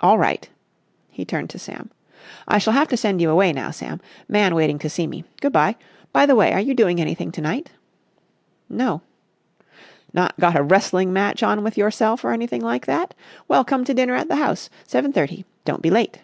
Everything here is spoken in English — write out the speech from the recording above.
"All right," he turned to Sam. "I shall have to send you away now, Sam. Man waiting to see me. Good bye. By the way, are you doing anything to night?" "No." "Not got a wrestling match on with yourself, or anything like that? Well, come to dinner at the house. Seven thirty. Don't be late."